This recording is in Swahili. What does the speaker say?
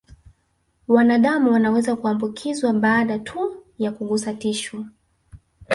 Wanadamu wanaweza kuambukizwa baada ya kugusa tishu